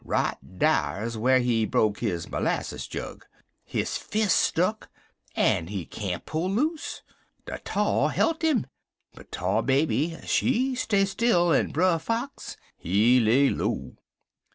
Right dar's whar he broke his merlasses jug. His fis' stuck, en he can't pull loose. De tar hilt 'im. But Tar Baby, she stay still, en Brer Fox, he lay low.